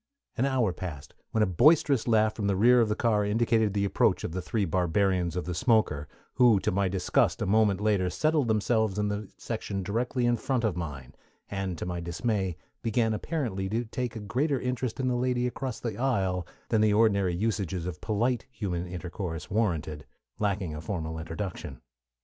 An hour passed, when a boisterous laugh from the rear of the car indicated the approach of the three barbarians of the smoker, who to my disgust a moment later settled themselves in the section directly in front of mine, and to my dismay began apparently to take a greater interest in the lady across the aisle than the ordinary usages of polite human intercourse warranted, lacking a formal introduction.